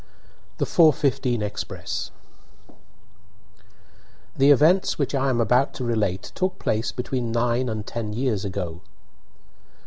THE FOUR FIFTEEN EXPRESS BY AMELIA B. EDWARDS The events which I am about to relate took place between nine and ten years ago.